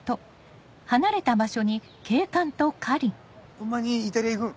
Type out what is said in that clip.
ホンマにイタリア行くん？